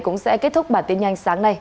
cũng sẽ kết thúc bản tin nhanh sáng nay